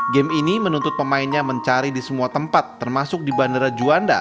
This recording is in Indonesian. game ini menuntut pemainnya mencari di semua tempat termasuk di bandara juanda